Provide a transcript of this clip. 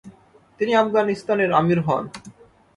তিনি আফগানিস্তানের আমির হন।